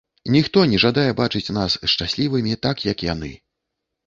Ніхто не жадае бачыць нас шчаслівымі так, як яны.